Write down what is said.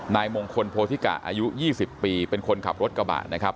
นายมงคลโพธิกะอายุ๒๐ปีเป็นคนขับรถกระบะนะครับ